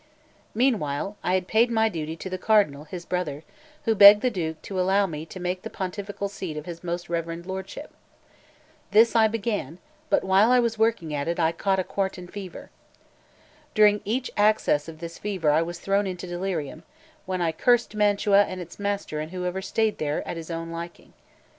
Meanwhile, I had paid my duty to the Cardinal his brother, who begged the Duke to allow me to make the pontifical seal of his most reverend lordship. This I began; but while I was working at it I caught a quartan fever. During each access of this fever I was thrown into delirium, when I cursed Mantua and its master and whoever stayed there at his own liking.